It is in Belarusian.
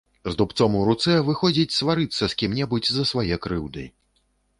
З дубцом у руцэ выходзіць сварыцца з кім-небудзь за свае крыўды.